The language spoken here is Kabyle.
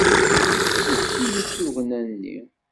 Efk-iyi-d tugna-nni.